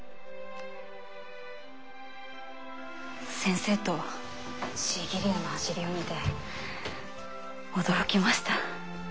先生とシーギリアの走りを見て驚きました。